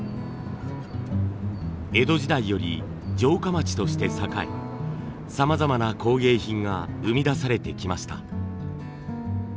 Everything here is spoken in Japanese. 江戸時代より城下町として栄えさまざまな工芸品が生み出されてきました。